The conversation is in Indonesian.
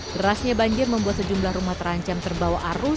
derasnya banjir membuat sejumlah rumah terancam terbawa arus